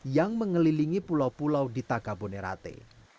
yang mengelilingi pulau pulau di takabonerate